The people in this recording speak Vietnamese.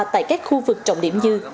tại các khu vực trọng điểm như